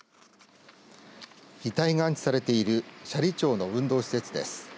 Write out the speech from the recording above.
遺体が安置されている斜里町の運動施設です。